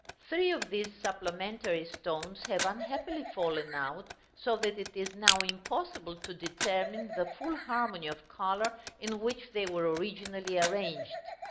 Three of these supplementary stones have unhappily fallen out, so that it is now impossible to determine the full harmony of color in which they were originally arranged.